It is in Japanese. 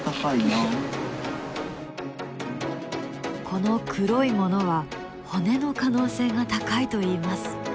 この黒いものは骨の可能性が高いといいます。